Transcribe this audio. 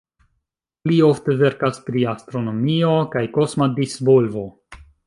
Li ofte verkas pri astronomio kaj kosma disvolvo.